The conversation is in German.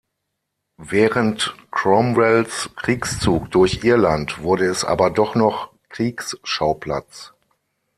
Während Cromwells Kriegszug durch Irland wurde es aber doch noch Kriegsschauplatz.